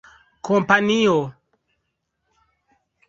kompanio